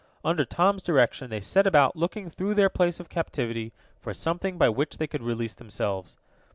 Under Tom's direction they set about looking through their place of captivity for something by which they could release themselves.